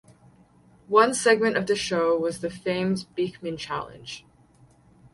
One segment of the show was the famed "Beakman Challenge".